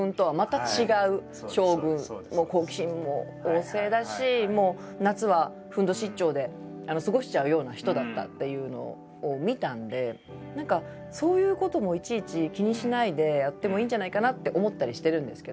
好奇心も旺盛だし夏はふんどし一丁で過ごしちゃうような人だったっていうのを見たんで何かそういうこともいちいち気にしないでやってもいいんじゃないかなって思ったりしてるんですけど。